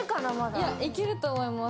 いけると思います。